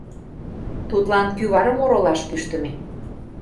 Тудлан кӱварым оролаш кӱштымӧ.